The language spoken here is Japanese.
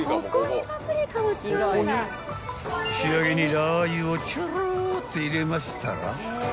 ［仕上げにラー油をちょろっと入れましたら］